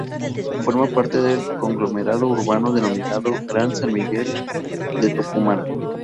Forma parte del conglomerado urbano denominado Gran San Miguel de Tucumán.